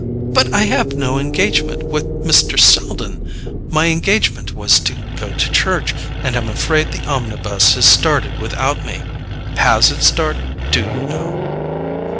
"But I have no engagement with Mr. Selden! My engagement was to go to church; and I'm afraid the omnibus has started without me. HAS it started, do you know?"